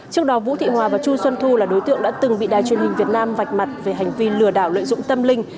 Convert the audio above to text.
trước đó vũ thị hòa và chu xuân thu là đối tượng đã từng bị đài truyền hình việt nam vạch mặt về hành vi lừa đảo lợi dụng tâm linh